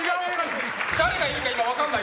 誰がいるか分かんない。